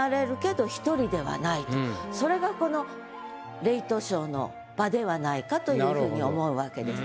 それがこのレイトショーの場ではないかというふうに思うわけです。